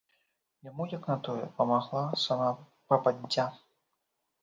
Яму, як на тое, памагла сама пападдзя.